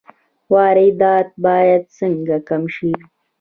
واردات باید څنګه کم شي؟